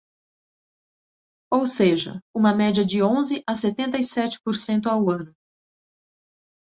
Ou seja, uma média de onze a setenta e sete por cento ao ano.